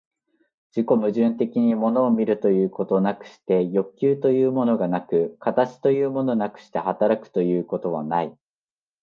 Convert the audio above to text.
自己矛盾的に物を見るということなくして欲求というものがなく、形というものなくして働くということはない。